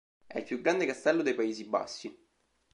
È il più grande castello dei Paesi Bassi.